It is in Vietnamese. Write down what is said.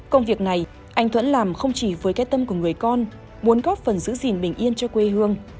công việc này anh thuận làm không chỉ với cái tâm của người con muốn góp phần giữ gìn bình yên cho quê hương